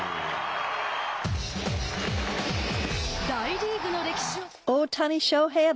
大リーグの歴史を変えた大谷翔平。